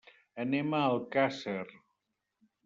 Anem a Alcàsser.